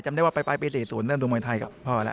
ได้ว่าไปปลายปี๔๐เริ่มดูมวยไทยก็พอแล้ว